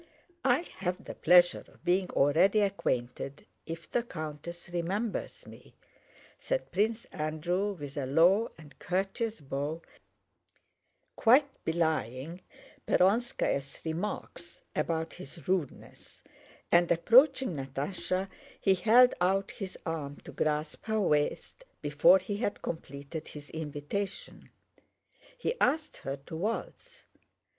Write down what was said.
"I have the pleasure of being already acquainted, if the countess remembers me," said Prince Andrew with a low and courteous bow quite belying Perónskaya's remarks about his rudeness, and approaching Natásha he held out his arm to grasp her waist before he had completed his invitation. He asked her to waltz.